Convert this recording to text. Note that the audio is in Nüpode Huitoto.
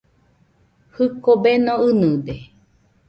Jɨko beno ɨnɨde.